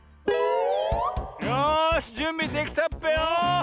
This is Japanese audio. よしじゅんびできたっぺよ！